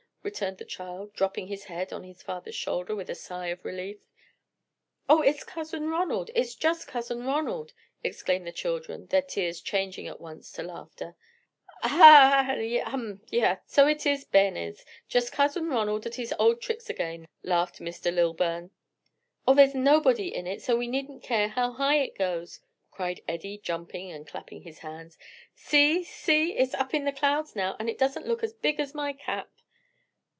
returned the child, dropping his head on his father's shoulder with a sigh of relief. "Oh it's Cousin Ronald, it's just Cousin Ronald!" exclaimed the children, their tears changing at once to laughter. "Ah ha, ah ha! um h'm, um h'm! so it is, bairnies, just Cousin Ronald at his old tricks again," laughed Mr. Lilburn. "Oh there's nobody in it; so we needn't care how high it goes," cried Eddie, jumping and clapping his hands, "See! see! it's up in the clouds now, and doesn't look as big as my cap."